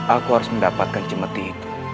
aku harus mendapatkan jemati itu